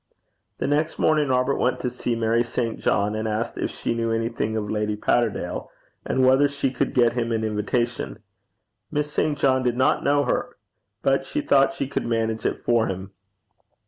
The next morning Robert went to see Mary St. John, and asked if she knew anything of Lady Patterdale, and whether she could get him an invitation. Miss St. John did not know her, but she thought she could manage it for him.